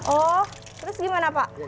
oh terus gimana pak